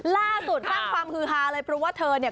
ล่าสุดสร้างความฮือฮาเลยเพราะว่าเธอเนี่ย